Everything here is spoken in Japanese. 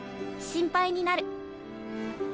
心配になる。